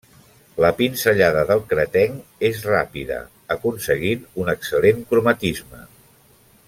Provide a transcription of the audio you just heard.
La pinzellada del cretenc és ràpida, aconseguint un excel·lent cromatisme.